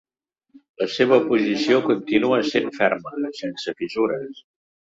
La seva posició continua essent ferma, sense fissures.